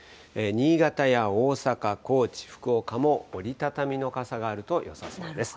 新潟や大阪、高知、福岡も折り畳みの傘があるとよさそうです。